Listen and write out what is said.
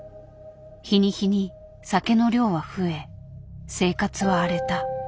日に日に酒の量は増え生活は荒れた。